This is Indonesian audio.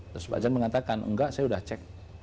terus pak jan mengatakan enggak saya sudah cek